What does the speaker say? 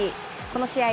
この試合